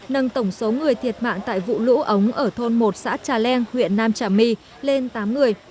nâng tổng số người thiệt mạng tại vụ lũ ống ở thôn một xã trà leng huyện nam trà my lên tám người